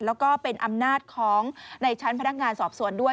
แล้วก็เป็นอำนาจของในชั้นพนักงานสอบสวนด้วย